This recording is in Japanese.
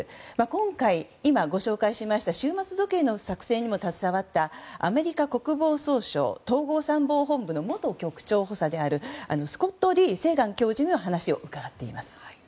今回、今ご紹介しました終末時計の作成にも携わったアメリカ国防総省統合参謀本部の元局長補佐であるスコット・Ｄ・セーガン教授に話を伺っています。